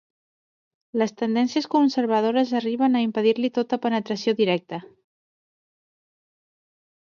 Les tendències conservadores arriben a impedir-li tota penetració directa.